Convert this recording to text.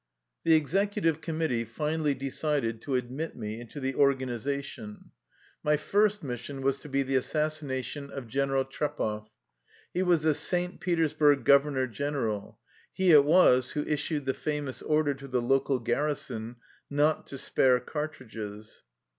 The executive committee finally decided to ad mit me into the organization. My first mission was to be the assassination of General Trepov. He was the St. Petersburg Governor General. He it was who issued the famous order to the local garrison " not to spare cartridges."